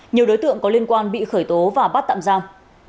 nhiều đối tượng có liên quan bị khởi tố và bắt tạm giam